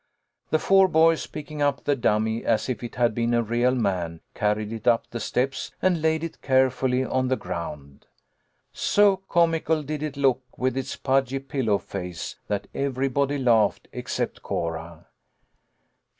The four boys, picking up the dummy as if it had been a real man, carried it up the steps and laid it carefully on the ground. So comical did it look with its pudgy pillow face, that everybody laughed except Cora.